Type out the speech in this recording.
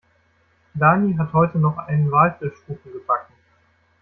Dani hat heute noch einen Walfischkuchen gebacken.